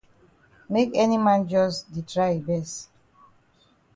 Make any man jus di try yi best.